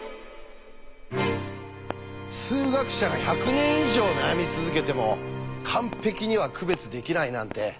数学者が１００年以上悩み続けても完璧には区別できないなんて